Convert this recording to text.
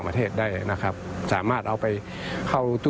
มีกลิ่นหอมกว่า